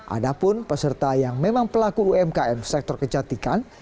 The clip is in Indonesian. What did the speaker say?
ada pun peserta yang memang pelaku umkm sektor kecantikan